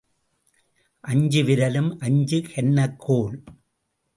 அஞ்சு விரலும் அஞ்சு கன்னக் கோல்.